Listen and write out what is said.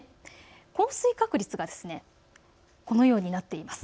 降水確率がこのようになっています。